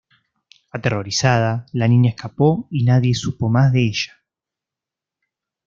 Aterrorizada, la niña escapó y nadie supo más de ella.